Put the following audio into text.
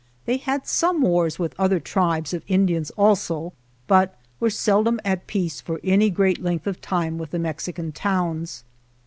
They had some wars with other tribes of Indians also, but were seldom at peace for any great length of time with the Mex ican towns.